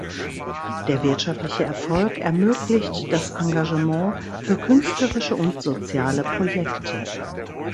Der wirtschaftliche Erfolg ermöglicht das Engagement für künstlerische und soziale Projekte.